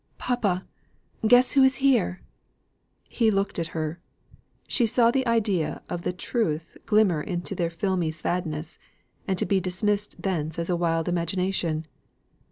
"Papa! guess who is here!" He looked at her; she saw the idea of the truth glimmer into their filmy sadness, and be dismissed thence as a wild imagination.